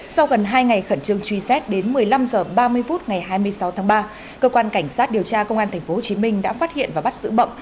sau gần hai ngày khẩn trương truy xét đến một mươi năm h ba mươi phút ngày hai mươi sáu tháng ba cơ quan cảnh sát điều tra công an tp hcm đã phát hiện và bắt giữ bậm